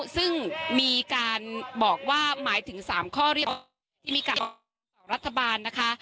ซึ่งมีการบอกว่าหมายถึง๓ข้อเรียกที่มีการของรัฐบาลนะคะ